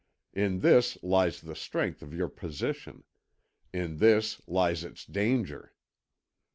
In this lies the strength of your position in this lies its danger.